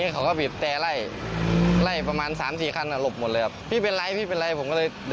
เค้าวิบและไล่ไล่ประมาณสามสี่คันอ่ะหลบหมดเลยครับ